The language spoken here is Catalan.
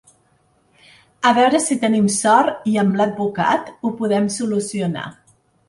A veure si tenim sort i amb l’advocat ho podem solucionar.